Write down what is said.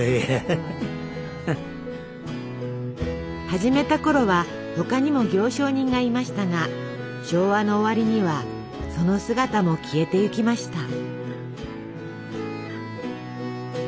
始めたころは他にも行商人がいましたが昭和の終わりにはその姿も消えていきました。